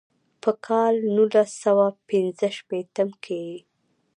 پۀ کال نولس سوه پينځه شپيتم کښې ئې